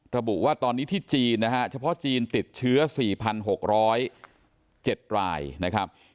ระบุว่าตอนนี้ที่จีนนะฮะเฉพาะจีนติดเชื้อสี่พันหกร้อยเจ็ดรายนะครับ